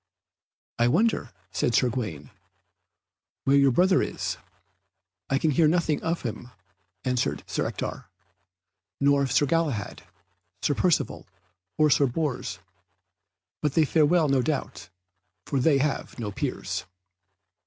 "I wonder," said Sir Gawaine, "where your brother is." "I can hear nothing of him," answered Sir Ector, "nor of Sir Galahad, Sir Percivale, or Sir Bors, but they fare well, no doubt, for they have no peers."